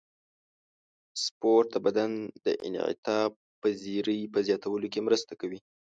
سپورت د بدن د انعطاف پذیرۍ په زیاتولو کې مرسته کوي.